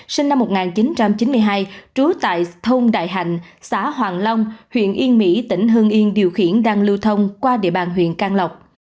sinh năm một nghìn chín trăm chín mươi hai trú tại thông đại hành xã hoàng long huyện yên mỹ tỉnh hương yên điều khiển đang lưu thông qua địa bàn huyện can lộc